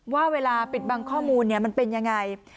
ว่าเวลาปิดบังข้อมูลมันเป็นยังไง